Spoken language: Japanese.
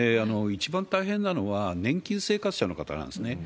一番大変なのは、年金生活者の方なんですね。